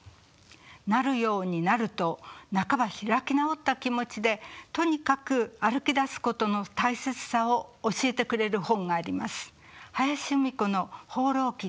なるようになると半ば開き直った気持ちでとにかく歩きだすことの大切さを教えてくれる本があります。